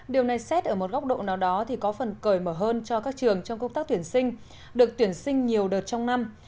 điều này xét ở một góc độ nào đó thì có phần cởi mở hơn cho các trường trong công tác tuyển sinh được tuyển sinh nhiều đợt trong năm